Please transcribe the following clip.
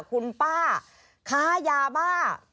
คุณป้าค้ายาบ้า